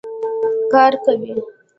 کار کوي